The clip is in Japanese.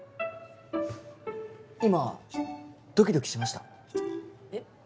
今ドキドキしました？えっ？